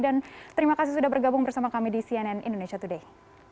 terima kasih sudah bergabung bersama kami di cnn indonesia today